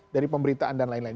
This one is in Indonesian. dari pemberitaan dan lain lain